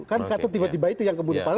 kan kata tiba tiba itu yang kemudian